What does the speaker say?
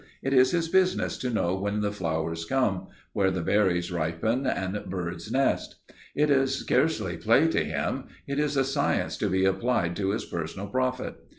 It is his business to know when the flowers come, where berries ripen and birds nest. It is scarcely play to him, it is a science to be applied to his personal profit.